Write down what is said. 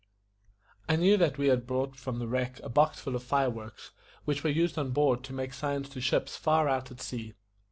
I knew that we had brought from the wreck a box full of fire works, which were used on board to make signs to ships far out at sea.